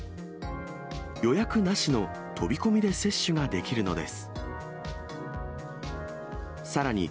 予約なしの飛び込みで接種ができるのです。